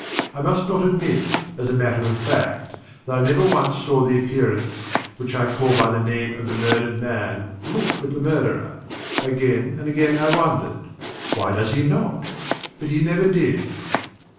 I must not omit, as a matter of fact, that I never once saw the Appearance which I call by the name of the murdered man, look at the Murderer. Again and again I wondered, 'Why does he not?' But he never did.